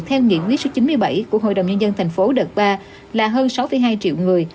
theo nghị quyết số chín mươi bảy của hội đồng nhân dân thành phố đợt ba là hơn sáu hai triệu người